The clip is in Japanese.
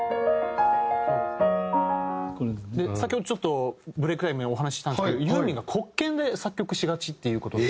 先ほどちょっとブレークタイムにお話ししたんですけどユーミンが黒鍵で作曲しがちっていう事を。